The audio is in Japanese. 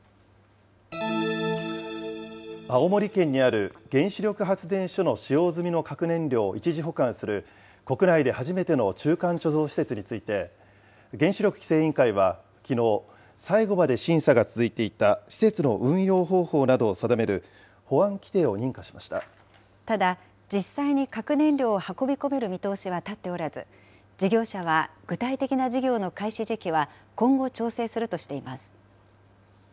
青森県にある原子力発電所の使用済みの核燃料を一時保管する、国内で初めての中間貯蔵施設について、原子力規制委員会は、きのう、最後まで審査が続いていた施設の運用方針などを定める、保安規定ただ、実際に核燃料を運び込める見通しは立っておらず、事業者は、具体的な事業の開始時期は今後調整するとしています。